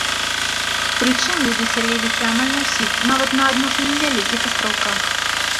Прычым, людзі сяліліся амаль на ўсіх, нават на адносна невялікіх астраўках.